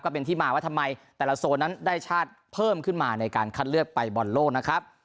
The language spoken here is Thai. เป็นที่มาว่าทำไมแต่ละโซนนั้นได้ชาติเพิ่มขึ้นมาในการคัดเลือกไปบอลโลกนะครับ